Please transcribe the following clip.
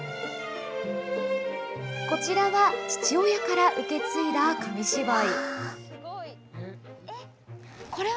こちらは父親から受け継いだ紙芝居。